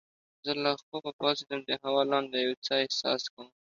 زه له خوبه پاڅیدم د هوا لاندې یو څه احساس کوم.